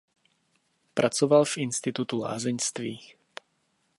Pracoval v Institutu lázeňství.